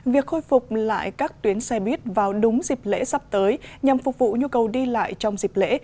việc khôi phục lại các tuyến xe buýt vào đúng dịp lễ sắp tới nhằm phục vụ nhu cầu đi lại trong dịp lễ